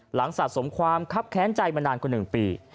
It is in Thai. หลังสะสมความคับแค้นใจมานานกว่าหนึ่งปี